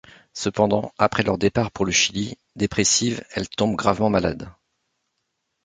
Cependant, après leur départ pour le Chili, dépressive, elle tombe gravement malade.